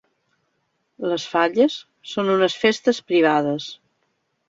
Les falles són unes festes privades.